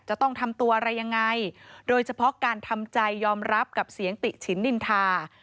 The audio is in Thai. จะต้องทำตัวอะไรยังไงโดยเฉพาะการทำใจยอมรับกับเสียงติฉินนินทา